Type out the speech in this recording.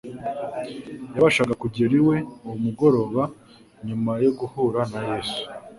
yabashaga kugera iwe uwo mugoroba nyuma yo guhura na Yesu;